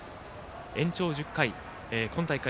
延長１０回と今大会